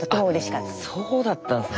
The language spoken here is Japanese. そうだったんですね